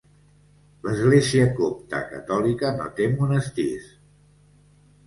L'Església copta catòlica no té monestirs.